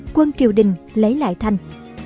quân triều đình lấy lại thành